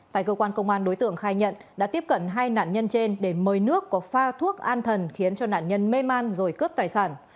tại cơ quan công an đối tượng khai nhận đã tiếp cận hai nạn nhân trên để mời nước có pha thuốc an thần khiến cho nạn nhân mê man rồi cướp tài sản